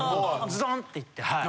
ズドンって言ってはい。